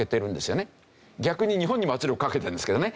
逆に日本にも圧力をかけてるんですけどね。